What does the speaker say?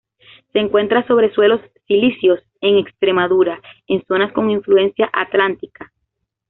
Se encuentra sobre suelos silíceos, en Extremadura, en zonas con influencia atlántica.